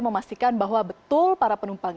memastikan bahwa betul para penumpang